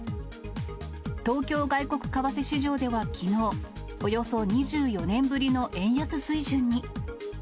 東京外国為替市場ではきのう、およそ２４年ぶりの円安水準に。